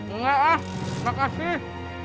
iya lah makasih